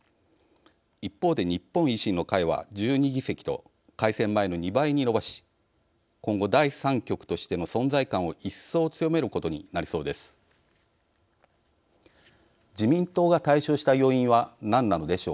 一方で日本維新の会は１２議席と改選前の２倍に伸ばし今後、第三極としての存在感を一層強めることになりそうです。